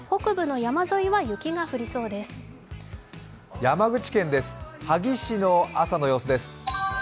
山口県です、萩市の朝の様子です。